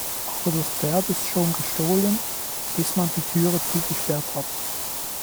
Aber das Pferd ist schon gestohlen, bis man die Türe zugesperrt hat.